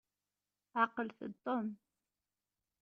Ɛqlet-d Tom.